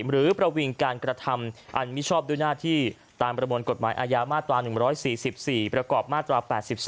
ประวิงการกระทำอันมิชอบด้วยหน้าที่ตามประมวลกฎหมายอาญามาตรา๑๔๔ประกอบมาตรา๘๒